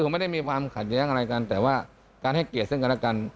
ไม่ได้มีความขัดแย้งอะไรกันแต่ว่าการให้เกียรติซึ่งกันและกัน